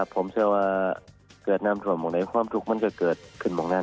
ผมเชื่อว่าเกิดน้ำทวนหมวงในความทุกข์มันจะเกิดขึ้นผมอย่างงั้น